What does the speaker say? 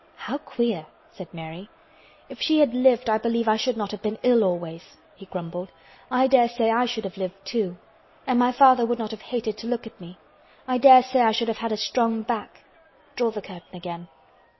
"How queer!" said Mary. "If she had lived I believe I should not have been ill always," he grumbled. "I dare say I should have lived, too. And my father would not have hated to look at me. I dare say I should have had a strong back. Draw the curtain again."